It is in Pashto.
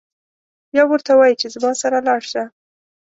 یو ورته وایي چې زما سره لاړشه.